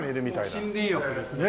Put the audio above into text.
もう森林浴ですね。